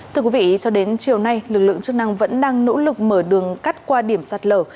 thưa quý vị cho đến chiều nay lực lượng chức năng vẫn đang nỗ lực mở đường cắt qua điểm sạt lở